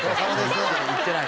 行ってない！